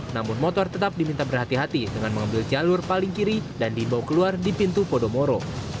namun motor tetap diminta berhati hati dengan mengambil jalur paling kiri dan dibawa keluar di pintu podomoro